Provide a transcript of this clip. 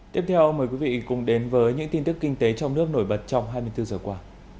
tiếp theo mời quý vị cùng đến với những tin tức kinh tế trong nước nổi bật trong hai mươi bốn giờ qua